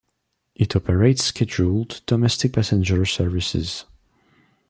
It operates scheduled domestic passenger services.